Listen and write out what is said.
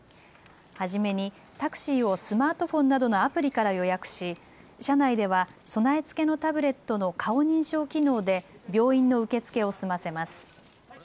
初めにタクシーをスマートフォンなどのアプリから予約し車内では備え付けのタブレットの顔認証機能で病院の受け付けを済ませます。